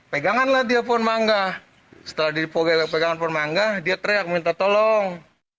pegangan lah dia pohon mangga setelah dipogel pegangan pohon mangga dia teriak minta tolong